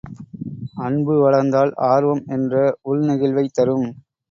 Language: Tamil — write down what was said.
அன்பு வளர்ந்தால் ஆர்வம் என்ற உள்நெகிழ்வைத் தரும்.